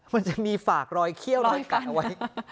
มันจะมีฝากรอยเขี้ยวรอยกัดเอาไว้